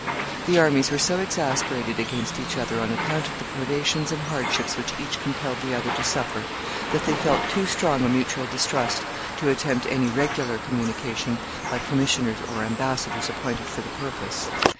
The armies were so exasperated against each other on account of the privations and hardships which each compelled the other to suffer, that they felt too strong a mutual distrust to attempt any regular communication by commissioners or ambassadors appointed for the purpose.